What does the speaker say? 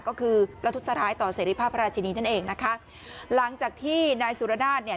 ก็คือระทุษร้ายต่อเสรีภาพพระราชินีนั่นเองนะคะหลังจากที่นายสุรนาศเนี่ย